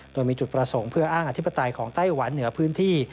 โดยมีจุดประสงค์เพื่ออ้างอธิปไตยของไต้หวันเหนือพื้นที่